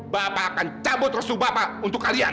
bapak akan cabut restu bapak untuk kalian